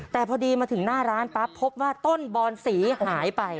แต่พอดีมาถึงหน้าร้านปั๊บพบว่าต้นบอนสีหายไป